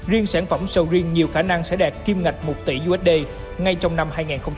riêng sản phẩm sầu riêng nhiều khả năng sẽ đạt kim ngạch một tỷ usd ngay trong năm hai nghìn hai mươi